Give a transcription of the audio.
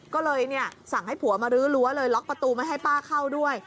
ก็เลยสั่งให้ผัวมารื้อรั้วเลยล็อกประตูไม่ให้ป้าเข้าด้วย